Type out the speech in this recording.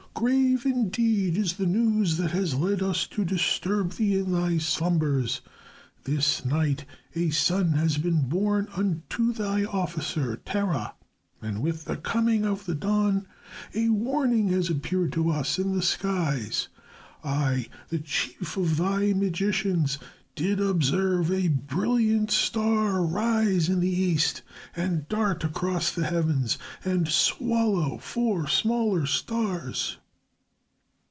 "Grave indeed is the news that has led us to disturb thee in thy slumbers. This night a son has been born unto thy officer, Terah, and with the coming of the dawn a warning has appeared to us in the skies. I, the chief of thy magicians, did observe a brilliant star rise in the east and dart across the heavens and swallow four smaller stars."